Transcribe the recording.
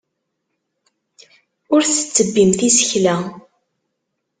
Ur tettebbimt isekla.